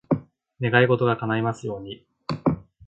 願い事が叶いますように。